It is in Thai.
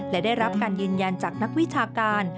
และได้รับการยืนยันจากนักวิชาการ